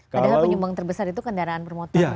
padahal penyumbang terbesar itu kendaraan bermotor